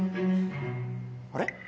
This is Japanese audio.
あれ？